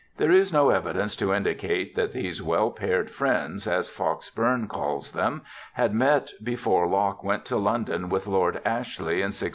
There is no evidence to indicate that these well paired friends, as Fox Bourne calls them, had met before Locke went to London with Lord Ashley in 1667.